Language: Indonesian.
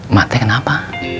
mak teg kenapa